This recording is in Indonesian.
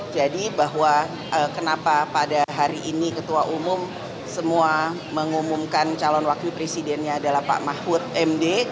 jadi bahwa kenapa pada hari ini ketua umum semua mengumumkan calon wakil presidennya adalah pak mahfud md